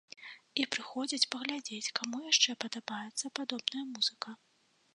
І прыходзяць паглядзець, каму яшчэ падабаецца падобная музыка.